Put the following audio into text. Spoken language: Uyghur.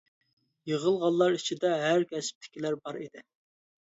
يىغىلغانلار ئىچىدە ھەر كەسىپتىكىلەر بار ئىدى.